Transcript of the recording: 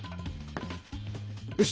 よし！